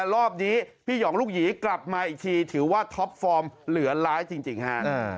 รอบนี้พี่หยองลูกหยีกลับมาอีกทีถือว่าท็อปฟอร์มเหลือร้ายจริงฮะ